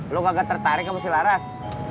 lo kagak tertarik sama si laras